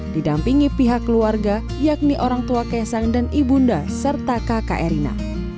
didampingi pihak keluarga yakni orang tua kaisang dan ibunda serta kakak erina